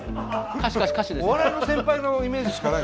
お笑いの先輩のイメージしかない。